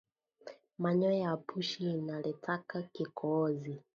Manyonya ya pushi inaletaka kikoozi